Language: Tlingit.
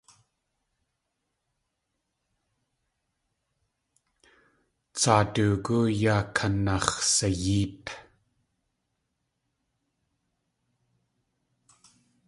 Tsaa doogú yaa kanax̲sayéet.